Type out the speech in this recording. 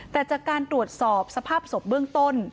แต่จากการตรวจสอบสภาพศพเบื้องต้น